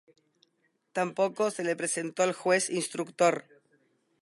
Tampoco se le presentó al juez instructor.